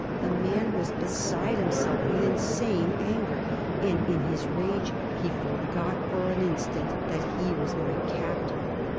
The man was beside himself with insane anger. And in his rage he forgot, for an instant, that he was my captor.